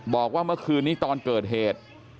บอกว่าเมื่อคืนนี้ตอนเกิดเหตุ